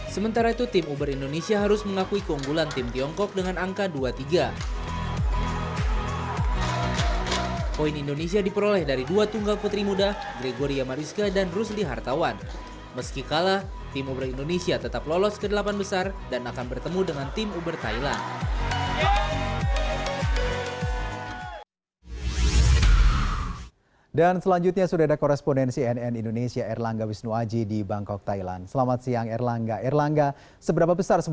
sementara itu tim uber indonesia harus mengakui keunggulan tim tiongkok dengan angka dua tiga